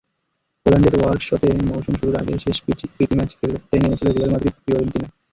পোল্যান্ডের ওয়ারশতে মৌসুম শুরুর আগে শেষ প্রীতি ম্যাচ খেলতে নেমেছিল রিয়াল মাদ্রিদ-ফিওরেন্তিনা।